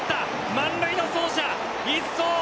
満塁の走者一掃。